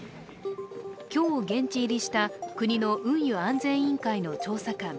今日現地入りした国の運輸安全委員会の調査官。